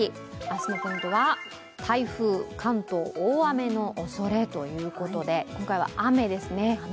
明日の天気は台風、関東大雨のおそれということで今回は雨ですね。